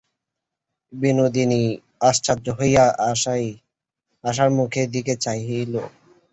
বিনোদিনী আশ্চর্য হইয়া আশার মুখের দিকে চাহিল।